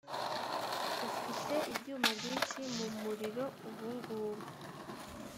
ufite ibyuma byinshi mu muriro ubungubu. ”